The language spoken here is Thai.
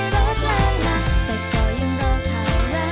รู้ไหม